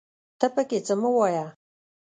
ته پکې څه مه وايه